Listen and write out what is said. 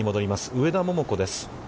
上田桃子です。